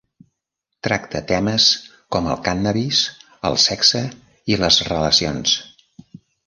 Tracta temes com el cànnabis, el sexe i les relacions.